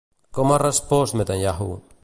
Com ha respost Netanyahu?